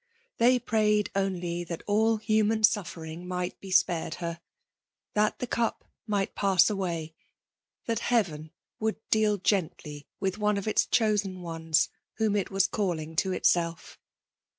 They prayed only that all human suffering might be spared her, — ^that the cup might pass away, — that Heaven would deal gently with one of its chosen ones whom it was calling to itself